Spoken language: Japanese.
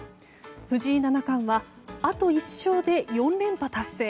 藤井七冠はあと１勝で４連覇達成。